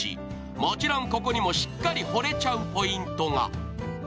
もちろん、ここにもしっかりほれちゃうポイントが。